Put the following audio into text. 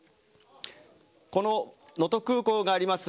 この能登空港があります